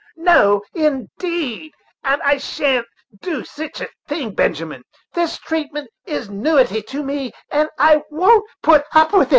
"No, indeed! and I shan't do sitch a thing, Benjamin. This treatment is a newity to me, and what I won't put up with.